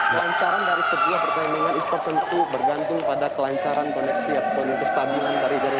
kelancaran dari setiap pertandingan esports tentu bergantung pada kelancaran koneksi atau penyelenggara